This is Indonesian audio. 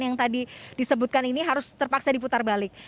yang tadi disebutkan ini harus terpaksa diputar balik